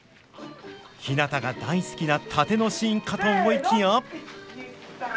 ひなたが大好きな殺陣のシーンかと思いきや。